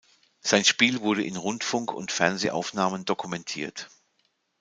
Sein Spiel wurde in Rundfunk- und Fernsehaufnahmen dokumentiert.